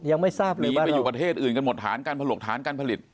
อย่างนี้แบบหนีไปอยู่ประเทศอื่นกันหมดฐานการผลกฐานการผลิต